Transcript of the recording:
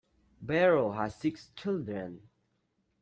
Barrow has six children.